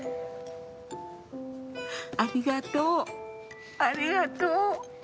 ありがとう、ありがとう。